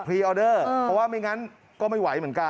ออเดอร์เพราะว่าไม่งั้นก็ไม่ไหวเหมือนกัน